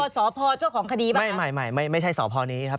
สอพเจ้าของคดีเปล่าคะไม่ไม่ใช่สอพนี้ครับ